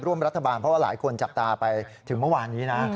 ร่วมรัฐบาลเพราะว่าหลายคนจับตาไปถึงเมื่อวานนี้นะ